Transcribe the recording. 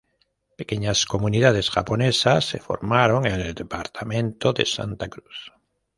Pequeñas comunidades japonesas se formaron en el departamento de Santa Cruz.